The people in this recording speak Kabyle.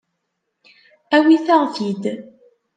Awit-aɣ-t-id.